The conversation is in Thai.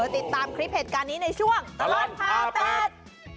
ติดตามคลิปเหตุการณ์นี้ในช่วงตลอดพาแปด